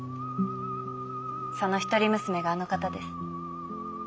その一人娘があの方です。